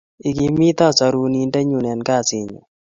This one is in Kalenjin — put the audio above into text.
Igimita Sorunindennyu en kasit nyun